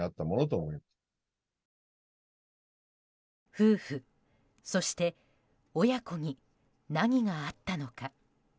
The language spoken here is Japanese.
夫婦、そして親子に何があったのか。